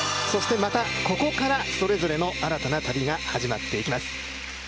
そしてまた、ここからそれぞれの新たな旅が始まっていきます。